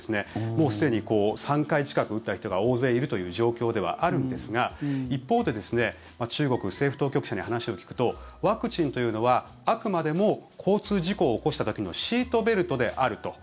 もうすでに３回近く打った人が大勢いるという状況ではあるんですが一方で中国政府当局者に話を聞くとワクチンというのはあくまでも交通事故を起こした時のシートベルトであると。